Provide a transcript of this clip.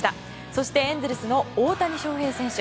そして、エンゼルスの大谷翔平選手。